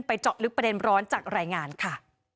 เจาะลึกประเด็นร้อนจากรายงานค่ะ